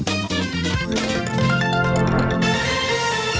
โปรดติดตามตอนต่อไป